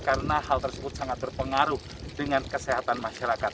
karena hal tersebut sangat berpengaruh dengan kesehatan masyarakat